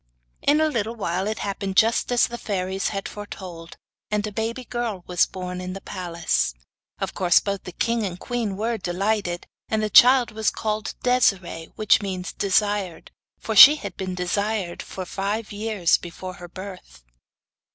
In a little while it happened just as the fairies had foretold, and a baby girl was born in the palace. Of course both the king and queen were delighted, and the child was called Desiree, which means 'desired,' for she had been 'desired' for five years before her birth.